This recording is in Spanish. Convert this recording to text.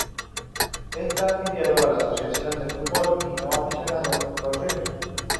Está afiliado a la Asociación de Fútbol No Aficionado Los Ríos.